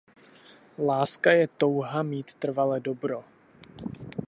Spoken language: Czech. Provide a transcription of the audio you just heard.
Láska je touha mít trvale dobro.